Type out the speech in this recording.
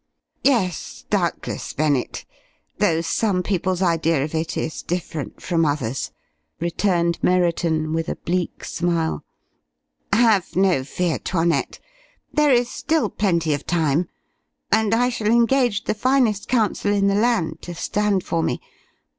"Yes, doubtless, Bennett, though some people's idea of it is different from others'," returned Merriton, with a bleak smile. "Have no fear, 'Toinette. There is still plenty of time, and I shall engage the finest counsel in the land to stand for me.